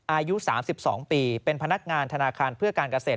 อายุ๓๒ปีเป็นพนักงานธนาคารเพื่อการเกษตร